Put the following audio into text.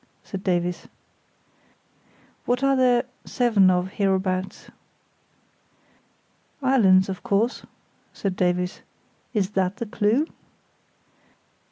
said Davies. "What are there seven of hereabouts?" "Islands, of course," said Davies. "Is that the clue?"